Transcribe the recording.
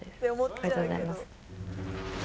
ありがとうございます